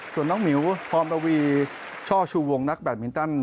ส่วนน้องหมิวพรระวีช่อชูวงนักแบตมินตัน